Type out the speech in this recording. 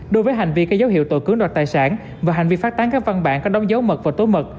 đối với hành vi cây dấu hiệu tội cướng đoạt tài sản và hành vi phát tán các văn bản có đống dấu mật và tối mật